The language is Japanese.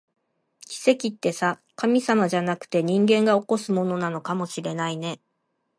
奇跡ってさ、神様じゃなくて、人間が起こすものなのかもしれないね